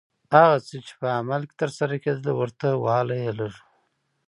هغه څه چې په عمل کې ترسره کېدل ورته والی یې لږ و.